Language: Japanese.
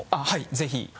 はいぜひ。